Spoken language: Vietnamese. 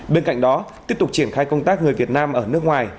bên cạnh đó tiếp tục triển khai công tác người việt nam ở nước ngoài